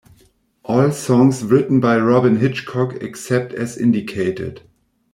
All songs written by Robyn Hitchcock except as indicated.